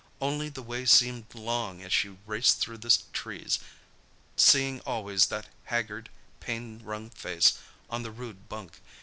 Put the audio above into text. Only the way seemed long as she raced through the trees, seeing always that haggard, pain wrung face on the rude bunk.